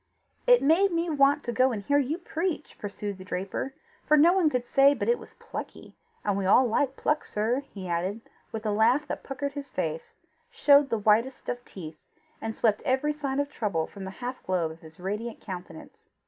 "It made me want to go and hear you preach," pursued the draper; "for no one could say but it was plucky and we all like pluck, sir," he added, with a laugh that puckered his face, showed the whitest of teeth, and swept every sign of trouble from the half globe of his radiant countenance.